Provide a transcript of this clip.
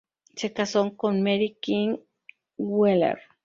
Se casó con Mary King Wheeler.